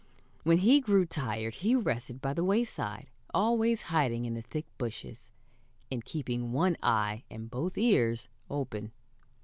When he grew tired, he rested by the wayside, always hiding in the thick bushes, and keeping one eye and both ears open.